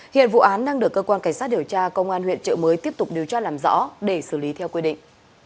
hiện vụ án đang được cơ quan cảnh sát điều tra công an huyện trợ mới tiếp tục điều tra làm rõ để xử lý theo quy định